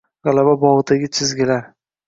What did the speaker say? G‘alaba bog‘idagi chizgilar...